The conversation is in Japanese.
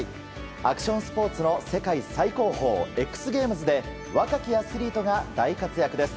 アクションスポーツの世界最高峰ＸＧＡＭＥＳで若きアスリートが大活躍です。